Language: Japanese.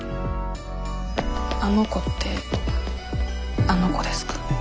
あの子ってあの子ですか？